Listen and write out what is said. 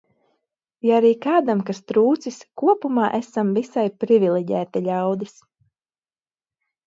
Ja arī kādam kas trūcis, kopumā esam visai priviliģēti ļaudis.